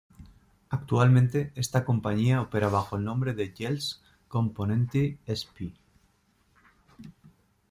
Actualmente esta compañía opera bajo el nombre de Jelcz-Komponenty Sp.